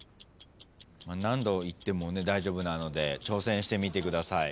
何度言っても大丈夫なので挑戦してみてください。